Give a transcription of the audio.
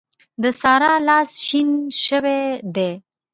د سارا لاس شين شوی دی.